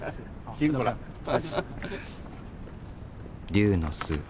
龍の巣